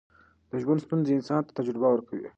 د ژوند ستونزې انسان ته تجربه ورکوي.